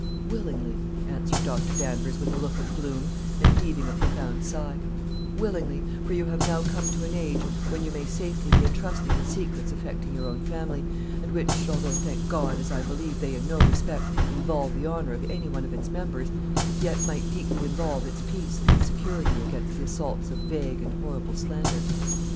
"Willingly," answered Dr. Danvers, with a look of gloom, and heaving a profound sigh "willingly, for you have now come to an age when you may safely be entrusted with secrets affecting your own family, and which, although, thank God, as I believe they in no respect involve the honor of anyone of its members, yet might deeply involve its peace and its security against the assaults of vague and horrible slander.